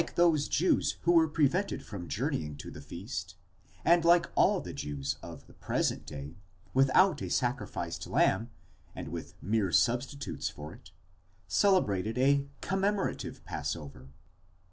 those Jews who were prevented from journeying to the feast, and like all the Jews of the present day, without a sacrificed lamb, and with mere substitutes for it, celebrated a commemorative passover, πάσχα μνημονευτικὸν.